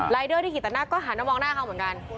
เดอร์ที่ขี่ตัดหน้าก็หันมามองหน้าเขาเหมือนกัน